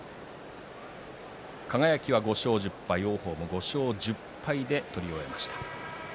輝５勝１０敗、王鵬も５勝１０敗で取り終えました。